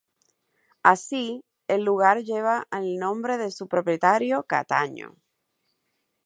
Así, el lugar lleva el nombre de su propietario, Cataño.